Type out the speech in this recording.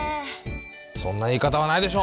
そんな言い方はないでしょ！